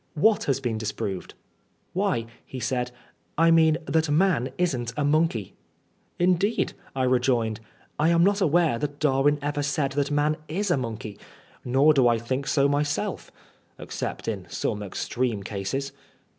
What has been disproved ?"" Why," he said, " I mean that man isn't a monkey." " Indeed !" I rejoined ;" I am not aware that Darwin ever said that man is a monkey. Nor do I think so myself — except in some extreme cases."